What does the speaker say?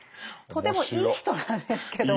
とてもいい人なんですけどなぜか。